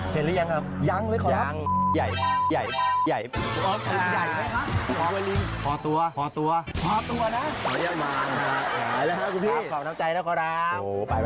เห็นหรือยังครับ